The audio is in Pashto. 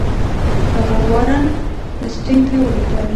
هغه وارن هیسټینګ ته ولیکل.